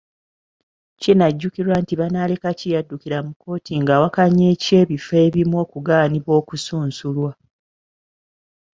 Kinajjjukirwa nti Banalekaki yaddukira amu kkooti nga awakanya eky’ebifo ebimu okugaanibwa okusunsulwa.